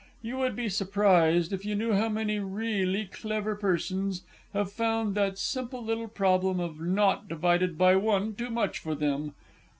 You would be surprised if you knew how many really clever persons have found that simple little problem of nought divided by one too much for them.